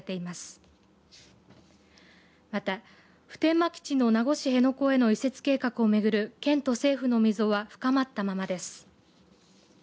また、普天間基地の名護市辺野古への移設計画をめぐる県と政府の溝は深まったままです。